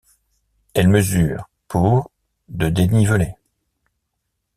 Elle mesure pour de dénivelé.